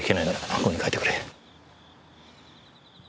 ここに書いてくれ。